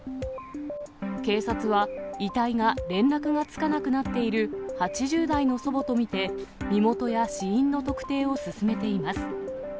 警察は、遺体が連絡がつかなくなっている８０代の祖母と見て、身元や死因の特定を進めています。